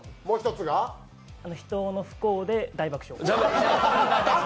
もう一つが、人の不幸で大爆笑。